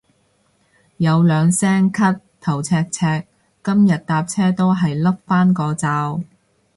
有兩聲咳頭赤赤，今日搭車都係笠返個罩